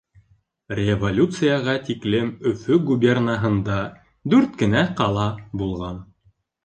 Революцияға тиклем Өфө губернаһында дүрт кенә ҡала булған.